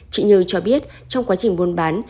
chị như cho biết trong quá trình buôn bán